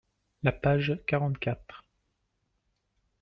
La page quarante-quatre.